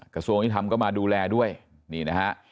กระทรวงยุทธรรมก็มาดูแลด้วยนี่นะฮะ